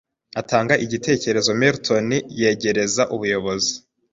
atanga igitekerezo "Milton yegereza ubuyobozi